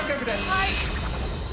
はい！